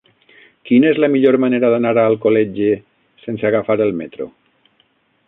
Quina és la millor manera d'anar a Alcoletge sense agafar el metro?